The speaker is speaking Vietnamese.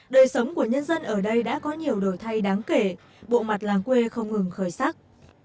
đời sống của nhân dân ở đây đã có nhiều đổi thay đáng kể bộ mặt làng quê không ngừng khởi sắc